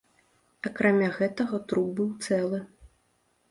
Акрамя гэтага труп быў цэлы.